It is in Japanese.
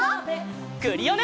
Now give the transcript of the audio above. クリオネ！